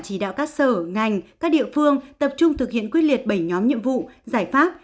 chỉ đạo các sở ngành các địa phương tập trung thực hiện quyết liệt bảy nhóm nhiệm vụ giải pháp